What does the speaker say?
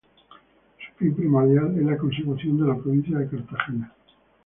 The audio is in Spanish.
Su fin primordial es la consecución de la provincia de Cartagena.